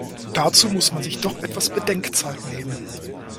Dazu muss man sich doch etwas Bedenkzeit nehmen!